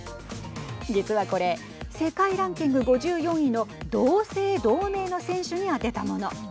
実はこれ世界ランキング５４位の同姓同名の選手に宛てたもの。